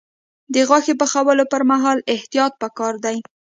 د غوښې پخولو پر مهال احتیاط پکار دی.